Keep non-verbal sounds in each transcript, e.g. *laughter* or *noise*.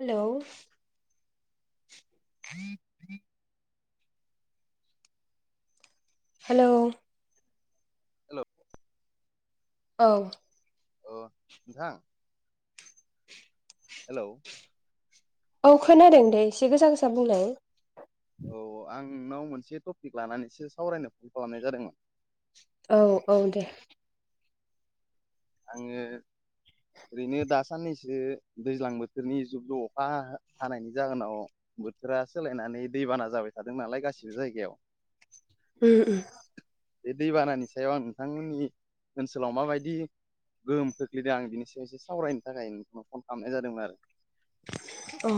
Hello. Hello. Hello. अ नोंथां hello औ खोनादों दे एसे गोसा गोसा बुंलाय। औ आं नोंनाव मोनसे टपिक लानानैसो सावरायनो फन खालामनाय जादोंमोन। औ औ दे। आङो ओरैनो दा साननैसो दैज्लां बोथोरनि जुुब जुब अखा हानायनि जाहोनाव बोथोरा सोलायनानै दैबाना जाबाय थादों नालाय गासिबो जायगायाव। उम ओम। बे दैबानानि सायाव आं नोंथांमोननि ओनसोलाव माबायदि गोहोम खोख्लैदों आं बिनि सायाव एसे सावरायनो थाखाय फन खालामनाय जादोंमोन आरो। अ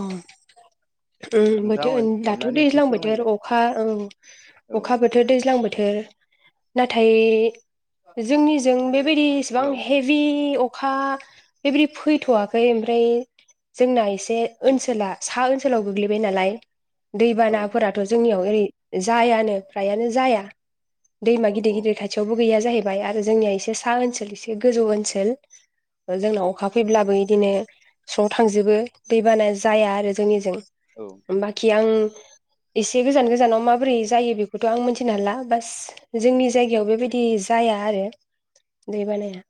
ओं नोंथाङा बोथोर दाथ' अननानै एसे दैज्लां बोथोर फोरमायलाय अखा औ *unintelligible* दैज्लां बोथोर नाथाय जोंनिजों बेबायदि एसेबां हेलौ हे बिदि अखा बेबायदि फैथ'वाखै ओमफ्राय जोंना एसे औ ओनसोला सा ओनसोलाव गोग्लैबाय नालाय औ दैबानाफोरा थ' जोंनियाव ओरै जायानो फ्रायानो जाया दैमा औ गिदिर गिदिर ससेयावबो गैया जाहैबाय आरो जोंनिया एसे सा ओनसोल एसे गोजौ ओनसोल जोंनाव अखा फैब्लाबो बिदिनो थांजोबो दैबाना जाया आरो जोंनिजों औ। बाखि आं एसे गोजान गोजानाव माबोरै जायो बेखौथ' आं मोनथिनो हाला बास जोंनि जायगायाव बेबायदि जाया आरो दै बानाया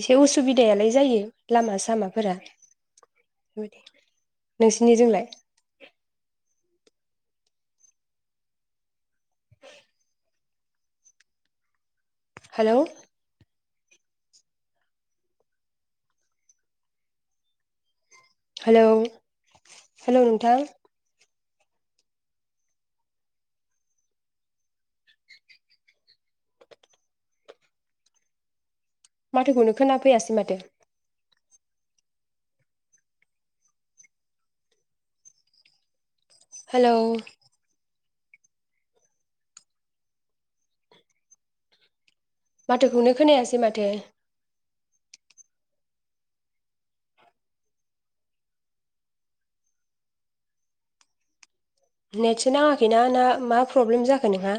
एसे उसुबिदायालाय जायो लामा सामा। फोरा बेबायदि नोंसिनिजोंलाय हेलौ। हेलौ हेलौ नोंथां। माथोखौनो खोनाफैयासै माथो। हेलौ। माथोखौनो खोनायासै माथो नेटसो नाङाखैना ना मा प्रब्लेम जाखो नोंहा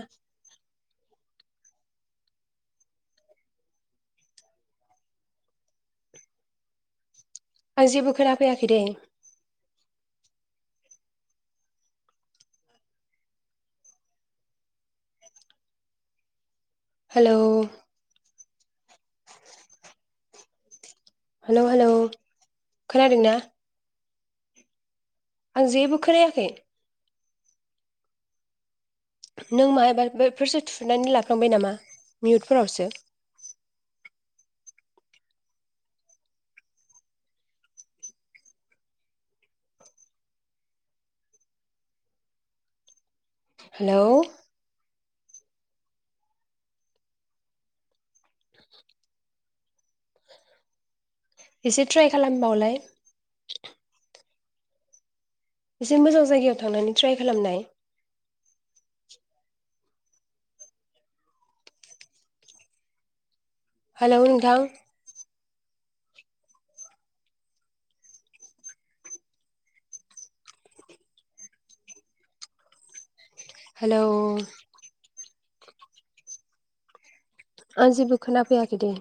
आं जेबो खोना फैयाखै दे हेलौ हेलौ हेलौ खोनादों ना आं जेबो खोनायाखै नों मबा बेफोरसो थुनानै लाफ्लांबाय नामा मिउटफोरावसो हेल' एसे ट्राय खालामबावलाय एसे मोजां जायगायाव थांनानै ट्राइ खालामनाय हेल' नोंथां हेल' आं जेबो खोनाफैयाखै दे